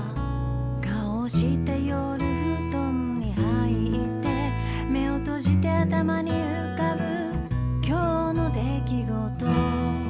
「顔をして夜布団に入って」「目を閉じて頭に浮かぶ今日の出来事」